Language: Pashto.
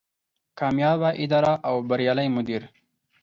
کاميابه اداره او بريالی مدير